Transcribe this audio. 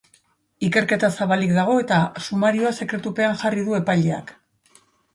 Ikerketa zabalik dago, eta sumarioa sekretupean jarri du epaileak.